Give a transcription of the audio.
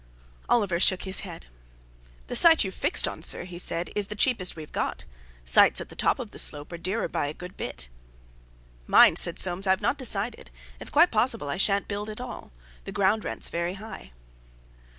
Oliver shook his head. The site you've fixed on, Sir, he said, "is the cheapest we've got. Sites at the top of the slope are dearer by a good bit." "Mind," said Soames, "I've not decided; it's quite possible I shan't build at all. The ground rent's very high."